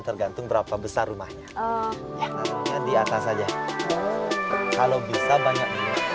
tergantung berapa besar rumahnya di atas saja kalau bisa banyak